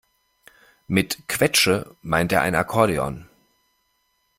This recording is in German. Mit Quetsche meint er ein Akkordeon.